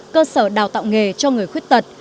cơ sở đào tạo nghề cho người khuất tật